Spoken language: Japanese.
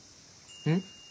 うん？